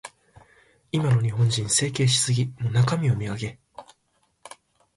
今の日本人、整形しすぎ。中身を磨け。